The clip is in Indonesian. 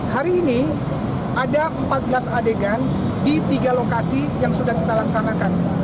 hari ini ada empat belas adegan di tiga lokasi yang sudah kita laksanakan